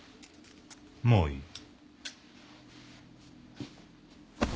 もういい。